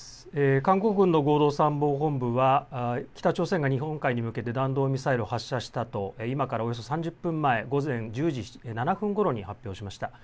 韓国軍の合同参謀本部は北朝鮮が日本海に向けて弾道ミサイルを発射したと今からおよそ３０分前、午前１０時７分ごろに発表しました。